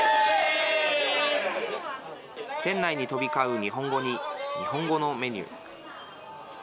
店内に飛び交う日本語に日本語のメニュー。